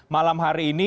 malam hari ini